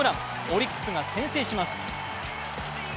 オリックスが先制します。